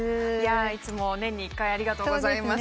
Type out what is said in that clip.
いつも年に１回ありがとうございます。